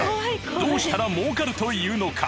［どうしたらもうかるというのか？］